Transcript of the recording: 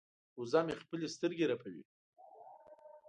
وزه مې خپلې سترګې رپوي.